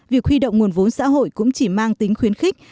việc huy động nguồn vốn xã hội cũng chỉ mang tính khuyến khích